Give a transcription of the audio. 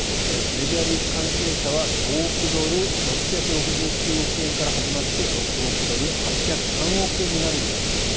メジャーリーグ関係者は５億ドル６６９億円から始まって６億ドル、８０３億円になるんじゃないかと。